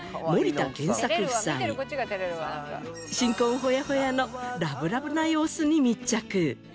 新婚ホヤホヤのラブラブな様子に密着。